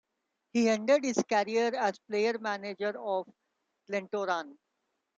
He ended his career as player-manager of Glentoran.